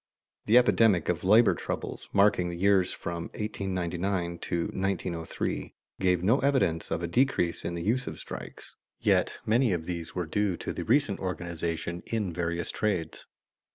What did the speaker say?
The epidemic of labor troubles, marking the years from 1899 to 1903, gave no evidence of a decrease in the use of strikes, yet many of these were due to the recent organization in various trades.